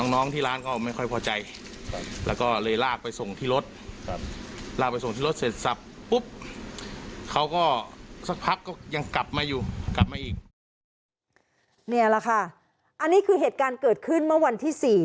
นี่แหละค่ะอันนี้คือเหตุการณ์เกิดขึ้นเมื่อวันที่๔